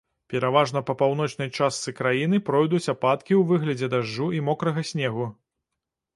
Пераважна па паўночнай частцы краіны пройдуць ападкі ў выглядзе дажджу і мокрага снегу.